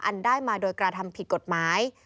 ได้มาโดยกระทำผิดกฎหมาย